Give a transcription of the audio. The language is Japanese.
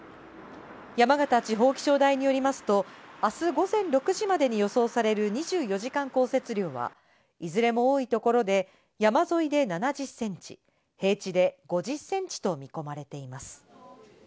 山形地方気象台によりますと、明日午前６時までに予想される２４時間降雪量は、いずれも多い所で山沿いで７０センチ、平地で５０センチと見込まれています。